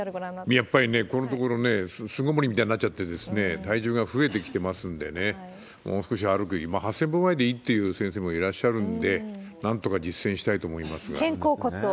やっぱりね、このところ、巣ごもりみたいになっちゃって、体重が増えてきてますんでね、もう少し歩く、８０００歩ぐらいでいいっていう先生もいらっしゃるしね、なんと肩甲骨を意識してですね。